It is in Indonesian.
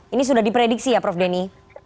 ini sudah diprediksi ya prof denny